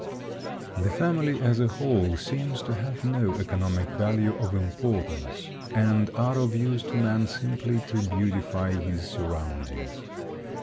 The family as a whole seems to have no economic value of importance and are of use to man simply to beautify his surroundings.